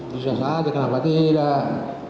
bisa saja kenapa tidak